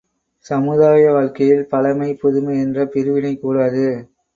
சமுதாய வாழ்க்கையில் பழைமை, புதுமை என்ற பிரிவினை கூடாது.